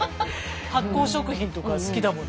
発酵食品とか好きだものね。